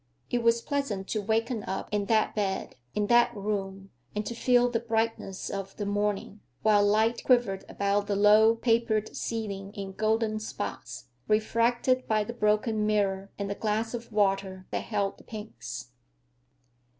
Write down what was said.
It was pleasant to waken up in that bed, in that room, and to feel the brightness of the morning, while light quivered about the low, papered ceiling in golden spots, refracted by the broken mirror and the glass of water that held the pinks.